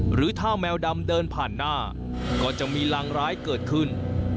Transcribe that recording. หรือถ้าแมวดำเดินผ่านหน้าก็จะมีรังร้ายเกิดขึ้น